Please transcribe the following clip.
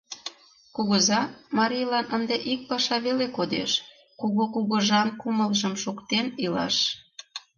Кугыза, марийлан ынде ик паша веле кодеш: кугу кугыжан кумылжым шуктен илаш.